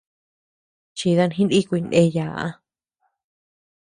Chida jinikuy ndeyee.